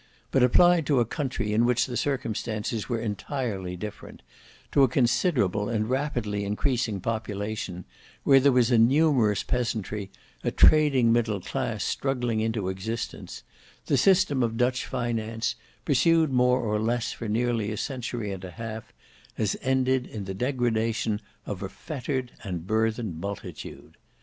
But applied to a country in which the circumstances were entirely different; to a considerable and rapidly increasing population; where there was a numerous peasantry, a trading middle class struggling into existence; the system of Dutch finance, pursued more or less for nearly a century and a half, has ended in the degradation of a fettered and burthened multitude.